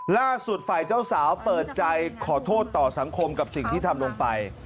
ล่าสุดฝ่ายเจ้าสาวเปิดใจขอโทษต่อสังคมกับสิ่งที่ทำลงไป